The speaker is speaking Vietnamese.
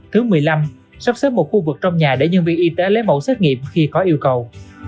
thứ một mươi năm sắp xếp một khu vực trong nhà để nhân viên y tế lấy mẫu xét nghiệm khi có yêu cầu